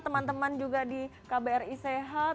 teman teman juga di kbri sehat